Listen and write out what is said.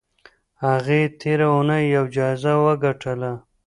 هغې تېره اونۍ یوه جایزه وګټله.